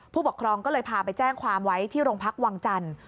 ผู้ปกครองก็เลยพาไปแจ้งความไว้ที่โรงพักวังจันทร์